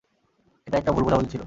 এটা একটা ভুল বোঝাবুঝি ছিলো।